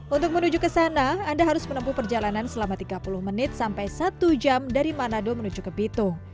untuk menuju ke sana anda harus menempuh perjalanan selama tiga puluh menit sampai satu jam dari manado menuju ke bitung